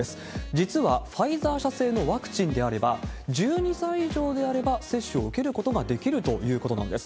実はファイザー社製のワクチンであれば、１２歳以上であれば接種を受けることができるということなんです。